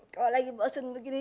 kalau lagi bosen begini